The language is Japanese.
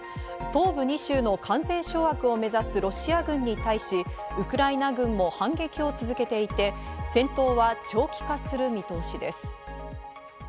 東部２州の完全掌握を目指すロシア軍に対し、ウクライナ軍も反撃を続けていて戦闘は長期化する見通しです。